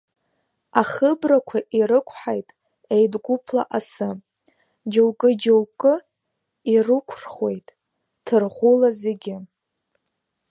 Ахыбрақәа ирықәҳаит еидгәыԥла асы, џьоукы-џьоукы ирықәрхуеит ҭәырӷәыла зегьы.